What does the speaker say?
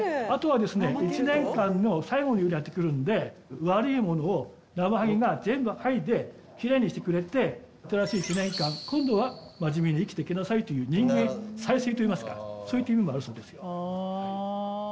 あとは一年間の最後にやって来るんで悪いものをナマハゲが全部剥いで奇麗にしてくれて新しい一年間今度は真面目に生きていきなさいという人間再生といいますかそういった意味もあるそうですよ。